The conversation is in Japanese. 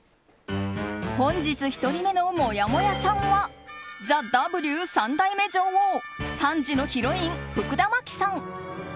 本日１人目のもやもやさんは「ＴＨＥＷ」３代目女王３時のヒロイン、福田麻貴さん。